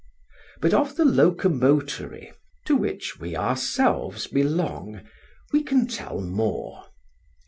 But of the locomotory, to which we ourselves belong, we can tell more.